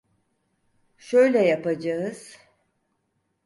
Şöyle yapacağız…